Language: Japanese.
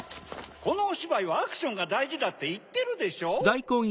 このおしばいはアクションがだいじだっていってるでしょ？